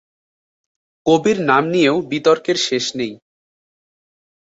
কবির নাম নিয়েও বিতর্কের শেষ নেই।